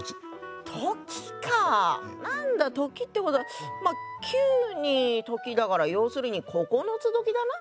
なんだ「とき」ってことはまあ「九」に「とき」だから要するに九つどきだな。